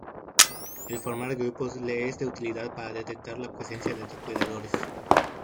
El formar grupos le es de utilidad para detectar la presencia de depredadores.